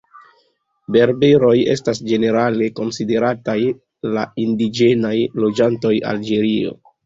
Berberoj estas ĝenerale konsiderataj la indiĝenaj loĝantoj Alĝerio.